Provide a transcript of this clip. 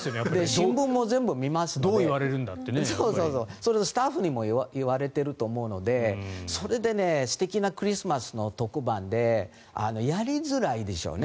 それとスタッフにも言われていると思うのでそれで素敵なクリスマスの特番でやりづらいでしょうね。